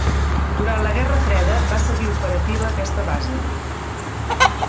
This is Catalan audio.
Durant la Guerra Freda va seguir operativa aquesta base.